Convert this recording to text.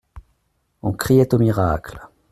On criait au miracle.